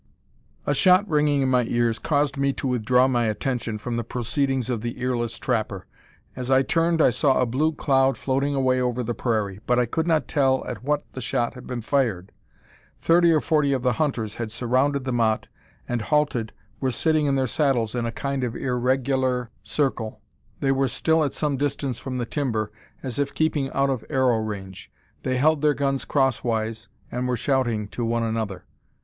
A shot ringing in my ears caused me to withdraw my attention from the proceedings of the earless trapper. As I turned I saw a blue cloud floating away over the prairie, but I could not tell at what the shot had been fired. Thirty or forty of the hunters had surrounded the motte, and, halted, were sitting in their saddles in a kind of irregular circle. They were still at some distance from the timber, as if keeping out of arrow range. They held their guns crosswise, and were shouting to one another.